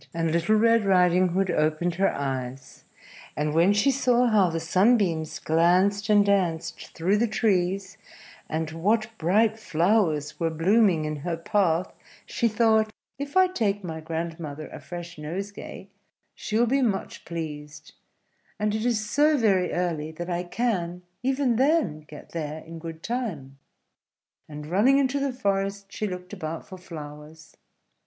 And Little Red Riding Hood opened her eyes; and when she saw how the sunbeams glanced and danced through the trees, and what bright flowers were blooming in her path, she thought, "If I take my grandmother a fresh nosegay she will be much pleased; and it is so very early that I can, even then, get there in good time:" and running into the forest she looked about for flowers.